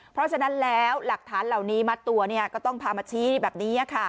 เพราะฉะนั้นแล้วหลักฐานเหล่านี้มัดตัวก็ต้องพามาชี้แบบนี้